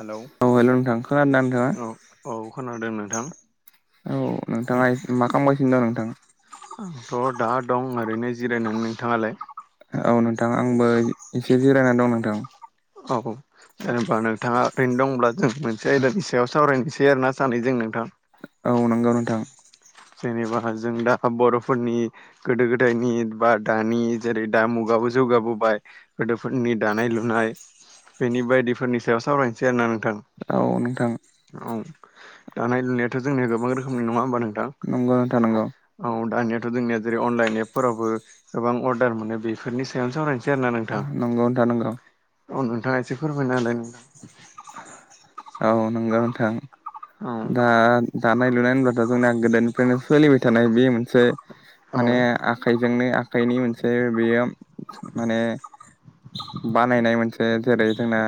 Hello औ hello नोंथां खोनादों ना नोंथाङा औ औ खोनादों नोंथां औ नोंथाङा इस मा खामगासिनो दं नोंथाङा? आंथ' दा दं ओरैनो जिरायनानै नोंथाङालाय? औ नोंथां आंबो एसे जिरायनानै दं नोंथां। औ-औ जेनेबा नोंथाङा ओरैनो दंब्ला जों मोनसे आयदानि सा याव सावरायनोसै आरोना सानैजों नोंथां। औ नंगौ नोंथां। जेनेबा जों दा बर'फोरनि गोदो गोदायनि बा दानि जेरै दा मुगाबो जौगाबोबाय गोदोफोरनि दानाय लुनाय बेनि बायदिफोरनि सायाव सावरायनोसै आरोना नोंथां औ नोंथां औ दानाय लुनायाथ' जोंनिया गोबां रोखोमनि नङा होमबा नोंथां। नंगौना थानांगौ। औ दानियाथ' जोंनिया जेरै अनलाइन एपफोरावबो गोबां अर्डार मोनो बेफोरनि सायावनो सावराय। आरो ना नोंथां नंगौ नोंथां नंगौ औ नोंथाङा एसे फोरमायनो हालाय नों औ नंगौ नोंथां दा दानाय लुनाय होनब्लाथ' जोंनिया गोदोनिफ्रायनो सोलिबाय थानाय बे मोनसे औ माने आखाइजोंनो आखाइनि मोनसे बेयो माने बानायनाय मोनसे जेरै जोंना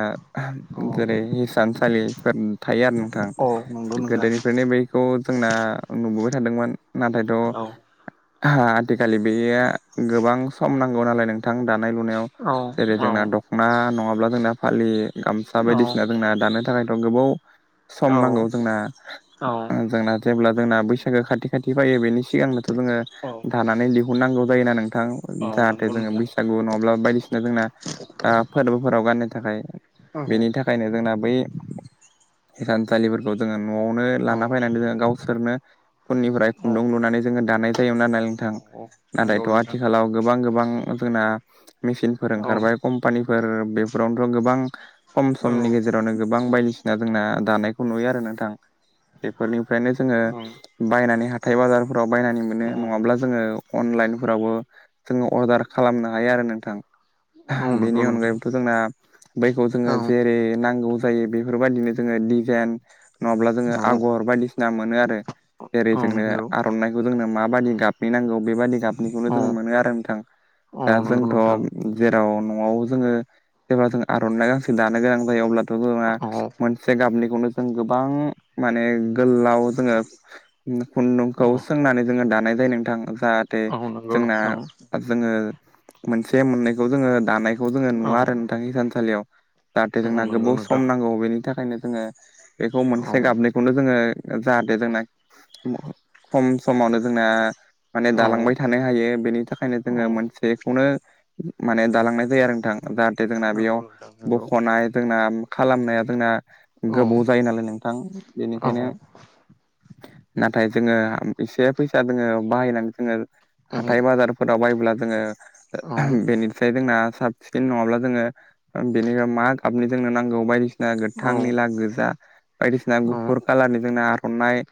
औ जेरै हिसानसालिफोर थायो आरो नोंथां औ नंगौ नोंथां गोदोनिफ्रायनो बै बेखौ जोंना नुबोबाय थादोंमोन नाथायथ' औ आथिखााललि बेया गोबां सम नांगौ नालाय नोंथां दानाय लुनायाव औ जेरै औ जोंना‌ ना नङाब्ला जोंना फालि गामसा बायदिसिना जोंना दानो थाखायथ' गोबाव सम औ नांगौ जोंना औ जोंना जेब्ला जोंना बैसागो खाथि खाथि फायो बेनि सिगांनोथ' जोङो औ दानानै दिहुननांगौ जायोना नोंथां। औ जाहाथे नंगौ जोङो नोंथां बैसागु नङाब्ला बायदिसिना जोंना फोरबोफोराव गाननो थाखाय औ बेनि थाखायनो जोंना बै थानसालिफोरखौ जोङो न'आवनो औ लाना फैनानै जोङो गाव बिसोरनो फननिफ्राय औ खुन्दुं लुनानै जोङो दानाय जायोमोन नाय नोंथां नंगौ नाथायथ' नोंथां आथिखालाव गोबां गोबां जोंना मेसिनफोर औ ओंखारबाय कम्पानिफोर बेफोरावनोथ' गोबां खम औ समनि गेजेरावनो गोबां बायदिसिना जोंना दानायखौ नुयो आरो नोंथां। बेफोरनिफ्रायनो जोङो औ बायनानै हाथाय बाजारफोराव बायनानै मोनो नङाब्ला जोङो अनलाइनफोरावबो जोङो अर्डार खालामनो हायो आरो नोंथां। नंगौ बेनि नोंथां अनगायैबोथ' जोंना बैखौ औ जोङो औ जेरै नांगौ जायो बेफोरबायदिनो जोङो दिजाइन नङाब्ला जोङो आगर बायदिसिना मोनो आरो जेरै औ जोंनो नंगौ आर'नाइखौ जोंनो माबाददि गाबनि नांगौ बेबादि गाबनिखौनो औ जोंङो मोनो आरो नोंथां। औ दा नंगौ जोंथ' नोंथां जेराव न'आव जोङो जेबा जों आर'नाइ गानो दानो गोनां जायो अब्लाथ' गोबाङा औ मोनसे गाबनिखौनो जों गोबां माने गोलाव जोङो औ खुन्दुंखौ सोंनानै जोङो दानाय जायो नोंथां जाहाथे औ नंगौ जोंना नोंथां जोङो मोनसे मोननायैखौ जोङो दानायखौ जोङो औ नुवा आरो औ नोंथां थानसालियाव जाहाथे जोंना नंगौ गोबाव नोंथां सम नांगौ बेनि थाखायनो जोङो बेखौ औ मोनसे गाबनिखौनो जोङो जाहाथे जोंना खम समावनो जोंना माने औ दालांबाय थानो हायो बेनि थाखायनो औ जोङो मोनसेखौनो माने दालांनाय जायो आरो नोंथां जाहाथे जोंना नंगौ बेयाव नोंथां नंगौ बख'नाय जोंना खालामनाया जोंना गोबाव जायो नालाय नोंथां औ बेनिखायनो नाथाय जोङो एसे फैसा दोङो बाहायनानै जोङो औ हाथाय बाजारफोराव बायोब्ला जोङो बेनिफ्राय जोंना साब सिखन नङाब्ला जोङो बेनिफ्राय मा गाबनि जोंनो नांगौ बायदिसिना औ गोथां निला गोजा बायदिसिना औ गुफुर कालारनि जोंना आर'नाइ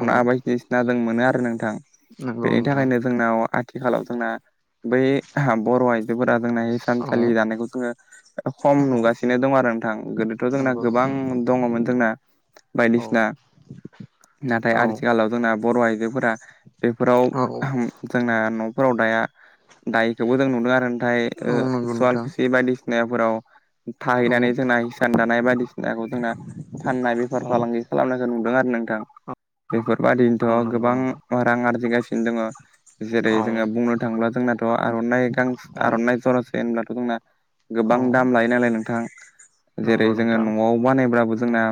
औ बायदिसिना जों मोनो आरो नोंथां। नंगौ बेनि नोंथां थाखायनो जोंनाव आथिखालाव जोंना बै बर' आइजोफोरा जोंना औ सानसालि जानायखौ जोङो खम औ नुगासिनो दं आरो नोंथां गोदोथ' जोंना नंगौ गोबां नोंथां दङमोन जोंना औ बायदिसिना औ नाथाय आथिखालाव जोंना बर' आइजोफोरा बेफोराव औ ओहम जोंना न'फोराव दाया दायखौबो जों नुदों आरो नाथाय ओ नंगौ नोंथां सुवालफुसि बायदिसिनाफोराव औ थाहैनानै जोंना हिसान दानाय बायदिसिनाखौ जोंना फाननाय बेफार औ फालांगि खालामनायखौ नुदों आरो नोंथां। औ बेफोरबादिनोथ' नंगौ गोबां नोंथां रां आरजिगासिनो दोङो। जेरै औ जोङो बुंनो थाङोब्ला जोंनाथ' आर'नाइ गां औ आर'नाइ जरासे होनब्लाथ' जोंना। औ गोबां दाम लायो नालाय नोंथां। जेरै नंगौ जोङो नोंथां न'आव बानायब्लाबो जोंना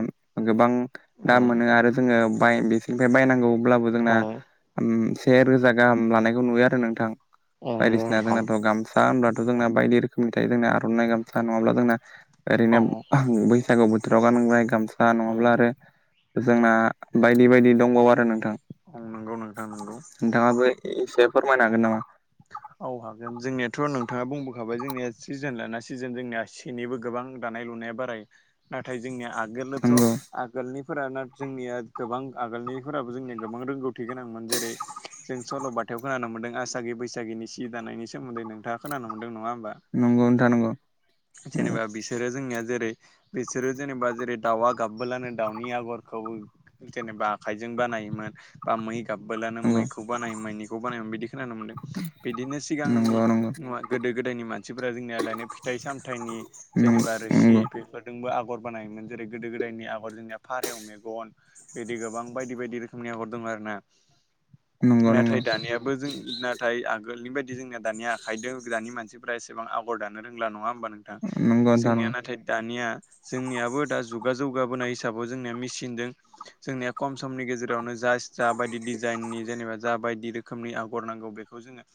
गोबां। औ दा मोनो आरो जोङो बाय बिसोरनिफ्राय बायनांगौ अब्लाबो औ जोंना। उम से रोजा गाहाम लानायखौ नुयो आरो नोंथां। औ बायदिसिना नोंथां जोंनाथ' गामसा होनब्लाथ' जोंना बायदि रोखोमनि थायो जोंना आर'नाइ गाम [unintelligible] नङाब्ला जोंना औ ओरैनो बैसागु बोथोराव गानबाय गामसा औ नङाब्ला आरो जोंना बायदि-बायदि दंबावो आरो नोंथां। औ नोंगौ नोंथां। नंगौ नोंथाङाबो एसे फोरमायनो हागोन नामा? औ हाबगोन जोंनियाथ' नोंथाङा बुंबोखाबाय जोंनिया सिजोन लाना सिजोन जोंनिया सिनिबो गोबां। दानाय लुनाया बाराय नाथाय जोंनिया आगोलोथ'। नामा आगोलनिफोरा ना जोंनिया गोबां आगोलनिफोराबो जोंनिया गोबां रोंगौथि गोनांमोन जेरै - जों सल'बाथायाव खोनानो मोनदों आसागि बैसागिनि सि जि दानायनि सोमोन्दै नोंथाङा खोनानो मोनदों नङा होमबा? नंगौ नंगौ नोंथां नंगौ जेनेबा बिस सोरो जोंनिया जेरै बिसोरो जेनेबा जेरै दाउआ गाबबोलानो दाउनि आगरखौबो जेनेबा आखायजों बानायोमोन बा मै गाबबोलानो मैखौ बानायो मैनिखौ बानायोमोन बिदि खोनानो मोनदों। बिदिनो सिगांनि नंगौ नंगौ नुवा गोदो गोदायनि मानसिफोरा जोंनियालायनो फिथाइ सामथाइनि। जेनेबा नंगौ रोसि बेफोरजोंबो आगर बानायोमोन जेरै गोदो गोदायनि आगर जोंनिया फारौ मेगन। बिदि गोबां बायदि-बायदि रोखोमनि आगर दङ आरो ना। नंगौ नंगौ नाथाय दानियाबो जों नाथाय आग गोदोनि बायदि जोंना दानि आखाइदो दानि मानसिफोरा एसेबां आगर दानो रोंला नङा होमबा नों थां नोंथां जोंनिया नाथाय दानिया जोंनियाबो दा जुग [unintelligible] जौगाबोनाय हिसाबाव जोंनिया मेसिनदों जोंनिया खम समनि गेजेरावनो जा जाबायदि डिजाइननि जेनेबा जा बायदि रोखोमनि आगर नांगौ बेखौ जोङो।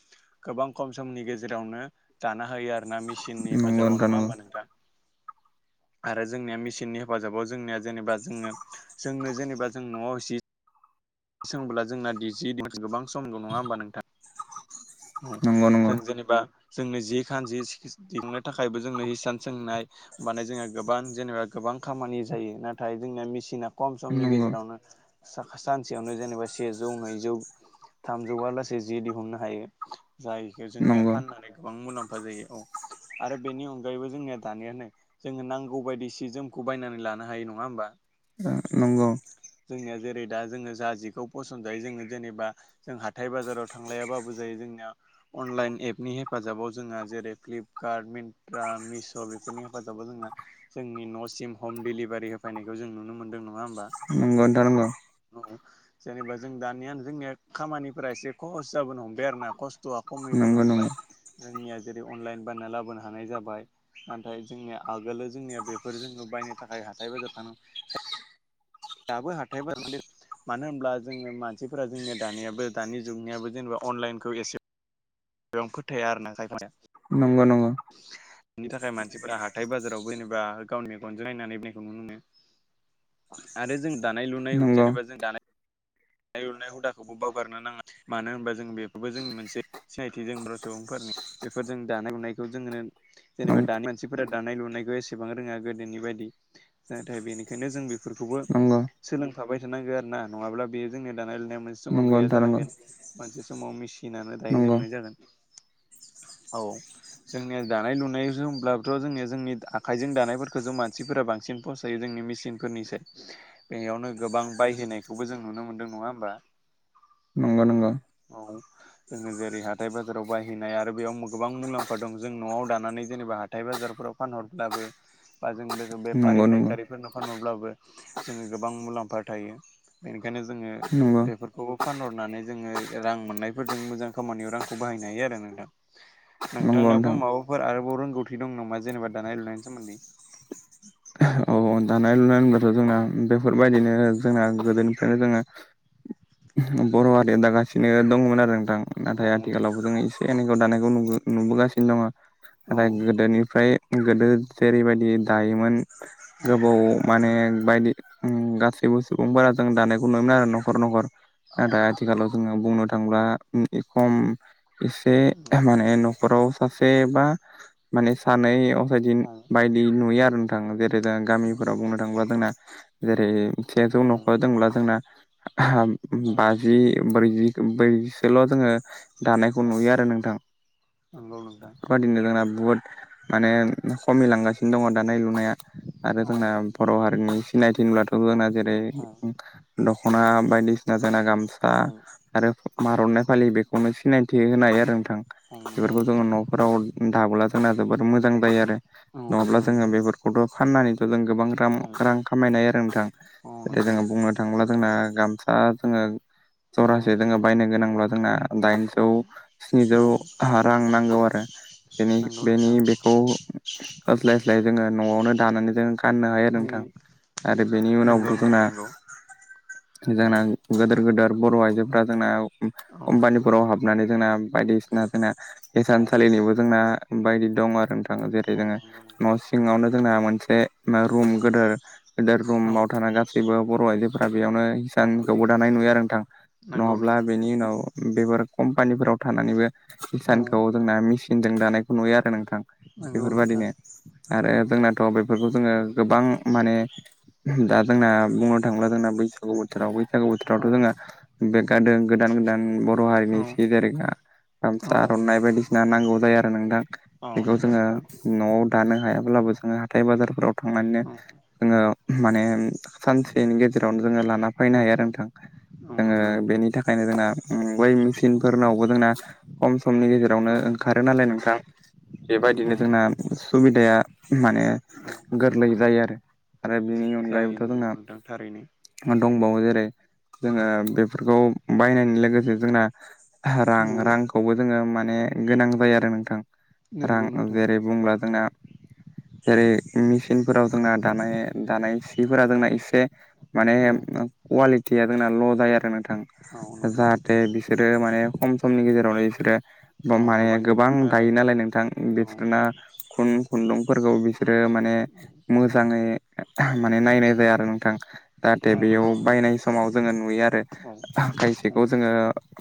गोबां खम समनि गेजेरावनो दाना होयो आर ना मेसिननि हेफाजाबाव नङा होमबा नोंथां? आरो जोंनिया मेसिननि हेफाजाबाव जोंनिया जेनेबा जोङो जोंनो जेनेबा जों न'आव जिद सोंब्ला जोंना [unintelligible] गोबां सम गौ नङा होमबा नोंथां? [unintelligible] नंगौ जों नोंथां जेनेबा जोंनो जि खान जि [unintelligible] दिंनो थाखायबो जोंनो हिसान सोंनाय माने जोंहा गोबां जेनेबा गोबां खामानि जायो। नाथाय जोंनिया मेसिना खम समनि नंगौ गेजेरावनो साख सानसेयावनो जेनेबा सेजौ, नैजौ, थामजौआ लासै जि दिहुननो हायो। जायखो जोंनिया फाननानै गोबां मुलाम्फा जायो। औ। आरो बेनि अनगायैबो जोंनिया दानियानो जोङो नांगौ बायदि सि जोमखौ बायनानै लानो हायो नङा होमबा। ओ नंगौ। जोंनिया जेरै दा जोङो जा जिखौ फसन जायो जोङो जेनेबा। जों हाथाय बाजाराव थांलायाबाबो जायो जोंनिया। अनलाइन एपनि हेफाजाबाव जोंहा जेरै फ्लिपकार्ट मिन्ट्रा मिश' बेफोरनि हेफाजाबाव जोंहा जोंनि न'सिम हम डेलिभारि होफैनायखौ जों नुनो मोनदों नङा होमबा। नंगौ नंगौ नोंथां [unintelligible] जेनेबा जों दानियानो जोंनिया खामानिफोरा एसे खहस जाबोनो हमबाय आरोना। थ'आ खमिबोनो नंगौ नंगौ हमबाय जोंनिया जेरै अनलाइन बायना लाबोनो हानाय जाबाय। नाथाय जोंनिया आगोलो जोंनिया बेफोर जोङो बायनो थाखाय हाथाय बाजार थांनांगौ दाबो हाथाय [unintelligible] मानो होनब्ला जोङो मानसिफोरा जोंनिया दानियाबो दानि जुगनियाबो जेनेबा अनलाइनखौ एसे बेयावनो फोथाया आरो ना खायफाया। नंगौ नंगौ। बिनि थाखाय मानसिफोरा हाथाय बाजाराव बेनबा गावनि मेगनजों नायनानैनायखौ नुनो मोनो। आरो जों दानाय लुनाय नंगौ जेनेबा जों दानाय दानाय लुनाय हुदाखौबो बावगारनो नाङा मानो होनबा जों बेफोरबो जोंनि मोनसे सिनायथि जों बर' सुबुंफोरनि बेफोरजों दानाय लुनायखौ जोंङो जेनेबा नंगौ दानो मानसिफोरा दानाय लुनायखौ एसेबां रोङा गोदोनि बायदि नाथाय बेनिखायनो जों बे फोरखौबो नंगौ सोलोंफाबाय थानांगौ आरोना नङाब्ला बेयो जोंनि दानाय लुनाया मोनसे समाव गैया नोंथां जालांगोन मोनसे समाव मेसिनानो नंगौ दाहैजोबनाय जागोन। औ। जोंनिया दानाय लुनाय होनब्लाथ' जोंनिया जोंनि आखाइजों दानायफोरखौ जों मानसिफोरा बांसिन फसायो जोंनि मेचिनफोरनिसाय। बेयावनो गोबां बायहोनायखौबो जों नुनो मोनदों नङा होमबा। नंगौ नंगौ। औ। जोङो जेरै हाथाय बाजाराव बाहहैनाय आरो बेयाव गोबां मुलाम्फा दं जों न'आव दानानै जेनेबा हथाय हाथथाय बाजारफोराव फानहरब्लाबो बा जों नंगौ नंगौ बेफारि फायखारिफोरनो फानहरबाबो जोङो गोबां मुलाम्फा थायो। बेनिखायनो जोङो नंगौ बेफोरखौबो फानहरनानै जोङो रां मोननायफोर जों मोजां खामानियाव रांखौ बाहायनो हायो आरो नोंथां नंगौ नोंथांनाबो नोंथां माबा फोर आरोबाव रोंगौथि दं नामा जेनेबा दानाय लुनायनि सोमोन्दै। [inaudible] औ दानाय लुनाय होनब्लाथ' जोंना बेफोरबायदिनो जोंना गोदोनिफ्रायनो जोङो बर' हारिया दागासिनो दंमोन आरो नोंथां। औ नाथाय आथिखालावबो जोङो एसे एनखौ दानायखौ नु नुबोगासिनो दङ औ नाथाय गोदोनिफ्राय गोदो जेरैबायदि दायोमोन गोबाव माने बायदि गासैबो सुबुंफोरा जों दानायखौ नुयोमोन आरो न'खर न'खर। औ नाथाय आथिखालाव जोङो बुंनो थांब्ला ए खम एसे माने न'खराव सासे बा माने सानै असायदि औ बायदि नुयो आरो नोंथां जेर जों गामिफोराव नंगौ बुंनो थाङोब्ला जोंना। जेरै सेजौ औ न'खरा दंब्ला जोंना औ बाजि ब्रैजि बैसोल' जोङो दानायखौ औ नुयो आरो नोंथां। नंगौ नोंथां। बेबादिनो जोंना बुहुत माने खमिलांगासिनो दङ दानाय लु आरो औ जोंना बर' हारिनि सिनायथि होनब्लाथ' जोंना जेरै औ दख'ना बायदिसिना जोंना गामसा औ आरो मार'नाइ फालि बेखौनो सिनायथि। थे होन हायो औ आरो नोंथां औ नंगौ बेफोरखौ नोंथां जोङो न'फोराव दाबोला जोंना जोबोर मोजां जायो आरो। औ नोंगौ नोंथां। खट' फाननानैथ' जों गोबां रां औ रां खामायनाय आरो नोंथां औ नंगौ जोङो बुंनो थांब्ला जोंना गामसा जोङो औ जरासे जोङो बायनो गोनांब्ला जोंना दाइनजौ औ स्निजौ औ रां नांगौ आरो। बेनि नंगौ बेनि नोंथां बेखौ होस्लायस्लाय जोङो न'आवनो दानानै जों गाननो हायो आरो उम नोंथां आरो बेनि नंगौ उनावबो नोंथां जोंना नंगौ औ गोनां। गोदोर गोदार बर' आइजोफोरा जोंना औ कम्पानिफोराव हाबनानै जोंना बायदिसिना जोंना औ हिसान सालिनिबो जोंना बायदि दं आरो नोंथाङा जेरै औ जोङो नंगौ नोंथां न सिआवनो जोंना मोनसे रुमाव औ गोदोर रुम औ गोदोराव थाना़गासिनो। जेबो बर' आइजोफोरा बेयावनो औ हिसानखौबो दानाय नुयो आरो नोंथां नंगौ नङाब्ला नोंथां बेनि उनाव बेफोर कम्पानिफोराव थानानैबो औ इसानखौ जोंना मेसिनजों दानायखौ नुयो आरो नोंथां। नोंगौ नोंथां। बेफोरबायदिनो आरो जोंनाथ' बेफोरखौ जोङो गोबां माने दा जोंना बुंनो थांब्ला जोंना बैसा सागु बोथोराव बैसागु औ बोथोरावथ' जोंङो बे खादों गोदान गोदान बर' हारिनि औ सिजारिखा। औ गामसा आर'नाय बायदिसिना नांगौ जायो आरो नोंथां। औ बेखौ नंगौ जोङो नोंथां न'आव दानो हायाब्लाबो जोङो हाथाय बाजारफोराव थांनानैनो औ जोङो माने सानसेनि गेजेरावनो जोङो लाना फायनो औ हायो आरो नोंथां। औ जोङो नंगौ नोंथां बेनि थाखाय खायनो जोंना ओ बै मेचेन फोरनावबो जोंना खम समनि गेजेरावनो औ ओंखा खारो नालाय नोंथां। औ बेबायदिनो जोंना सुबिदा या माने औ गोरलै जायो आरो। आरो बिनि जायो अनगायैबोथ' नंगौ जोंना नोंथां थारैनो मा दंबावो जेरै जोङो बेफोरखौ बायनायनि लोगोसे जोंना रां, औ रांखौबो जोङो माने गोनां जायो आरो नोंथां। नंगौ रां नोंथां जेरै बुंब्ला जोंना जेरै मेसिनफोराव जोंना दानाय दानाय सिफोरा जोंना एसे माने औ कुवालिटिया जोंना ल' जायो आरो नोंथां। औ नंगौ जाहाथे बिसोरो माने खम समनि गेजेरावनो इसोरो बम माने गोबां दायो नालाय नोंथां औ बिसोरना खुन खुन्दुंफोरखौ बिसोरो माने मोजाङै माने नायनाय जाया आरो नोंथां। जाहाथे औ बेयाव नंगौ नोंथां बायनाय समाव जोङो नुयो आरो। औ औ खायसेखौ जोङो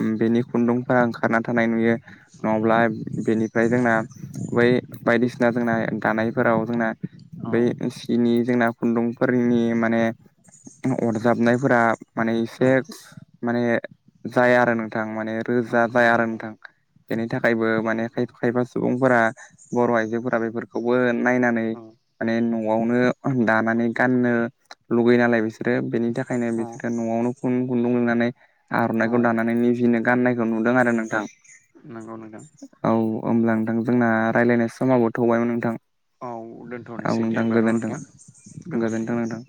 उम बेनि खुन्दुंफोरा ओंखारना थानाय नुयो। नङाब्ला बेनि ओमफ्राय जोंना बै बायदिसिना जोंना दानायफोराव जोंना बै बिनि जोंना खुन्दुंफोरनि माने अरजाबनायफोरा माने एसे औ माने जाया आरो नोंथां माने रोजा बाय आरो नोंथां। बेनि थाखायबो माने नंगौ खायफा खायफा सुबुंफोरा बर' आइजोफोरा बेफोरखौबो नायनानै औ माने न'आवनो दानानै गाननो लुगैयो नालाय बिसोरो बेनि थाखायनो औ न'आवनो खुन खुन्दुं लुनानै औ आर'नाइखौ दानानै निजिनो गाननायखौ नुदों आरो नोंथां। नंगौ नोंथां औ होमब्ला नोंथां जोंना रायज्लायनाय समाबो थौबायमोन नोंथां। औ औ दोनथ'नोसै दे नोंथां होमबा न' गोजोनथों नोंथां गोजोनथों नोंथां,